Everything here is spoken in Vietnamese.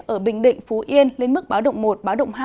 ở bình định phú yên lên mức báo động một báo động hai